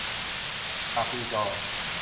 ปากปีจอ